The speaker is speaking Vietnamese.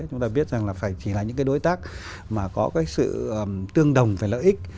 chúng ta biết rằng là phải chỉ là những cái đối tác mà có cái sự tương đồng về lợi ích